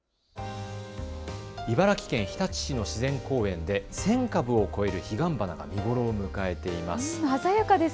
茨城県日立市の自然公園で１０００株を超えるヒガンバナが見頃を迎えています。